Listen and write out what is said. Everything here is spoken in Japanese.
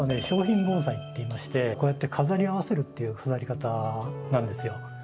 小品盆栽っていいましてこうやって飾り合わせるっていう飾り方なんですよ。